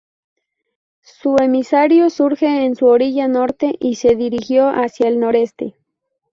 Su emisario surge en su orilla norte, y se dirigió hacia el noreste.